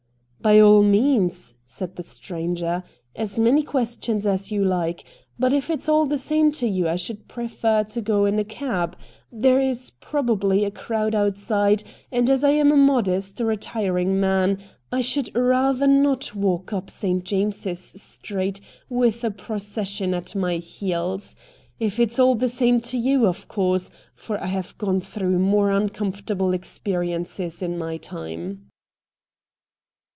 ' By all means,' said the stranger ;* as MR. RATT GUNDY 117 many questions as you like. But if it's all the same to you, I should prefer to go in a cab. There is probably a crowd outside, and a:^ I am a modest, retiring man, I should ratlier not walk up St. James's Street with a proces sion at my heels. If it's all the same to you, of course — for I have crone throucrh more uncomfortable experiences in my time.'